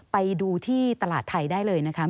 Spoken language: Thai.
ไปดูที่ตลาดไทยได้เลยนะคะ